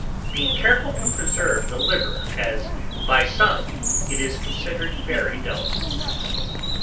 Be careful to preserve the liver, as by some it is considered very delicate.